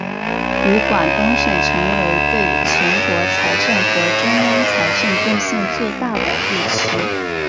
与广东省成为对全国财政和中央财政贡献最大的地区。